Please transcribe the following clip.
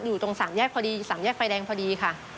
อยู่ตรงสามแยกพอดีสามแยกไฟแดงพอดีค่ะ